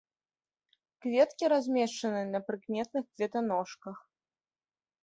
Кветкі размешчаны на прыкметных кветаножках.